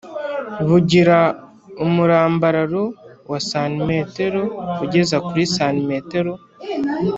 bugira umurambararo wa cm ugeza kuri cm